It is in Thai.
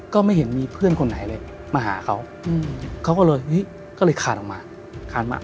ก็ไม่เห็นมีเพื่อนคนไหนเลยมาหาเขาเขาก็เลยเฮ้ยก็เลยคานออกมาขาดมา